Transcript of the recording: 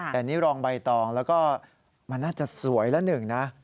แต่นี่รองใบตองแล้วก็มันน่าจะสวยละหนึ่งนะ